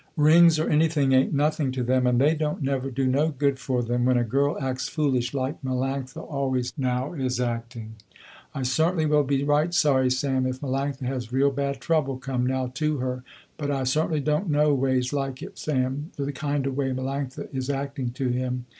Rings or anything ain't nothing to them, and they don't never do no good for them, when a girl acts foolish like Melanctha always now is acting. I certainly will be right sorry Sam, if Melanctha has real bad trouble come now to her, but I certainly don't no ways like it Sam the kind of way Melanctha is acting to him.